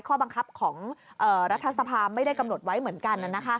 ข้อบังคับของรัฐสภาไม่ได้กำหนดไว้เหมือนกัน